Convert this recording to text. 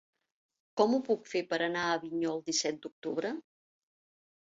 Com ho puc fer per anar a Avinyó el disset d'octubre?